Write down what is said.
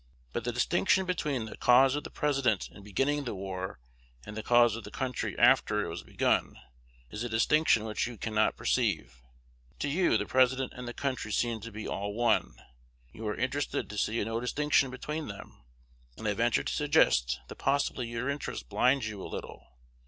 But the distinction between the cause of the President in beginning the war, and the cause of the country after it was begun, is a distinction which you cannot perceive. To you, the President and the country seem to be all one. You are interested to see no distinction between them; and I venture to suggest that possibly your interest blinds you a little.